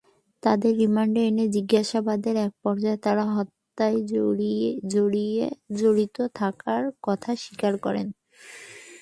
তাঁদের রিমান্ডে এনে জিজ্ঞাসাবাদের একপর্যায়ে তাঁরা হত্যায় জড়িত থাকার কথা স্বীকার করেন।